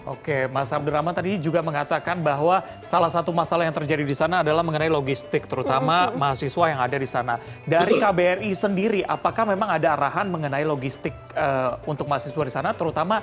oke mas abdurrahman tadi juga mengatakan bahwa salah satu masalah yang terjadi disana adalah mengenai logistik terutama mahasiswa yang ada disana